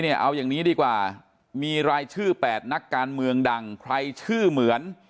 เอาอย่างนี้ดีกว่ามีรายชื่อ๘นักการเมืองดังใครชื่อเหมือน